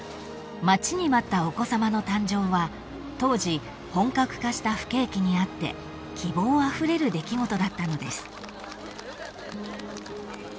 ［待ちに待ったお子さまの誕生は当時本格化した不景気にあって希望あふれる出来事だったのです］